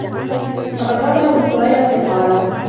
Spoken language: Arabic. فَقَدْ رَوَى أَبُو هُرَيْرَةَ قَالَ